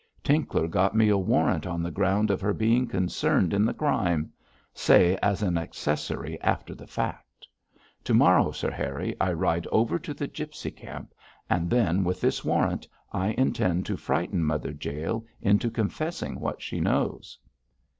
Tinkler got me a warrant on the ground of her being concerned in the crime say, as an accessory after the fact. To morrow, Sir Harry, I ride over to the gipsy camp, and then with this warrant I intend to frighten Mother Jael into confessing what she knows.'